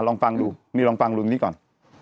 ลองฟังดูนี่ลองฟังรุนนี้ก่อน